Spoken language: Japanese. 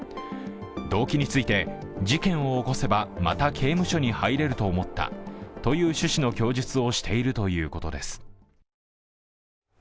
動機について、事件を起こせばまた刑務所に入れると思ったという趣旨の供述をしているということです。